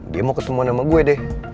dia mau ketemuan sama gue deh